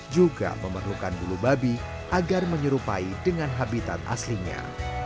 juga memerlukan bulu babi agar menyerupai dengan habitat aslinya